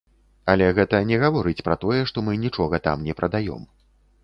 Але гэта не гаворыць пра тое, што мы нічога там не прадаём.